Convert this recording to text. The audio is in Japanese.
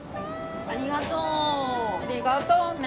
ありがとう。